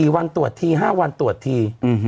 ๔วันตรวจที๕วันตรวจที